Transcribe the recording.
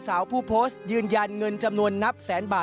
สำหรับเป็นค่าทำขวัญและค่ารักษาพยาบาล